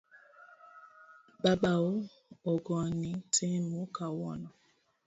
Babau ogoni simu kawuono?